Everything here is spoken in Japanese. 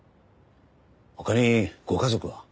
他にご家族は？